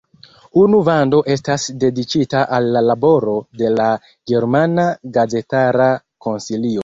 Unu vando estas dediĉita al la laboro de la Germana Gazetara Konsilio.